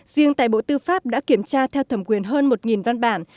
riêng tại bộ tư pháp đã kiểm tra theo thẩm quyền hơn một văn bản